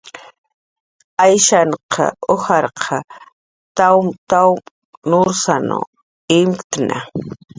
Ayshan ujarq tawm nursanw imktna